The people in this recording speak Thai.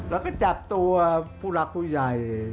แล้วก็จับตัวผู้หลักผู้ใหญ่